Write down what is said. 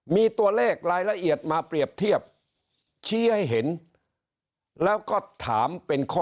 มีตัวเลขรายละเอียดมาเปรียบเทียบชี้ให้เห็นแล้วก็ถามเป็นข้อ